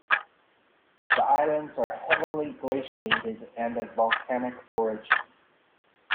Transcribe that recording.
The islands are heavily glaciated and of volcanic origin.